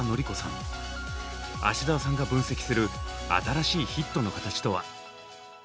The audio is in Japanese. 芦澤さんが分析する新しいヒットの形とは？